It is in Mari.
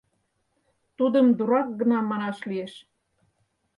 Тудым дурак гына манаш лиеш.